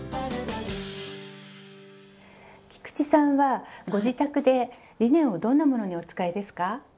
菊池さんはご自宅でリネンをどんなものにお使いですか？